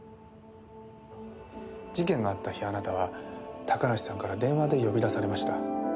事件があった日あなたは高梨さんから電話で呼び出されました。